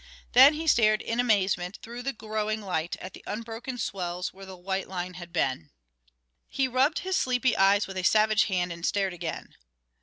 Then he stared in amazement through the growing light at the unbroken swells where the white line had been. He rubbed his sleepy eyes with a savage hand and stared again.